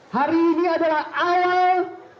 hari ini adalah awal